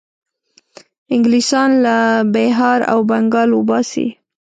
انګلیسیان له بیهار او بنګال وباسي.